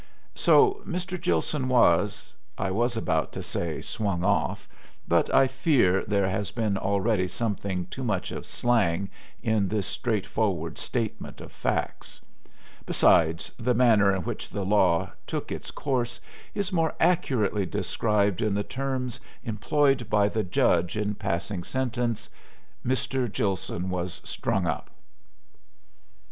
So Mr. Gilson was I was about to say "swung off," but I fear there has been already something too much of slang in this straightforward statement of facts; besides, the manner in which the law took its course is more accurately described in the terms employed by the judge in passing sentence: Mr. Gilson was "strung up."